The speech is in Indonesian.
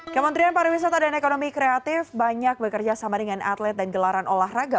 kementerian pariwisata dan ekonomi kreatif banyak bekerja sama dengan atlet dan gelaran olahraga